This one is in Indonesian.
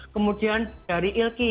kemudian dari ilki